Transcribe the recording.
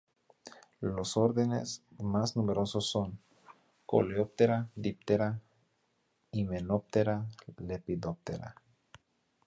Los órdenes más numerosos son: Coleoptera, Diptera, Hymenoptera, Lepidoptera.